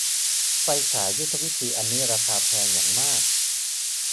ไฟฉายยุทธวิธีอันนี้ราคาแพงอย่างมาก